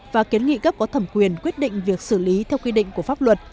và kiến nghị cấp có thẩm quyền quyết định việc xử lý theo quy định của pháp luật